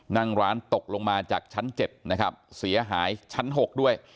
นั่งร้านตกลงมาจากชั้น๗นะครับเสียหายชั้น๖ด้วย